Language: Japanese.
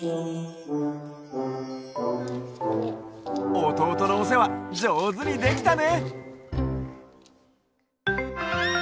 おとうとのおせわじょうずにできたね！